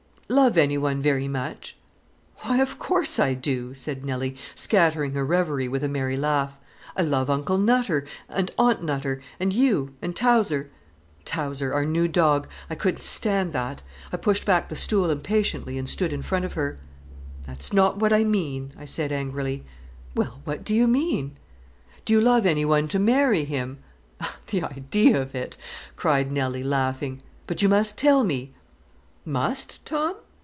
"Love anyone very much?" "Why, of course I do," said Nelly, scattering her revery with a merry laugh. "I love Uncle Nutter, and Aunt Nutter, and you and Towser." Towser, our new dog! I couldn't stand that. I pushed back the stool impatiently and stood in front of her. "That's not what I mean," I said angrily. "Well, what do you mean?" "Do you love anyone to marry him?" "The idea of it," cried Nelly, laughing. "But you must tell me." "Must, Tom?"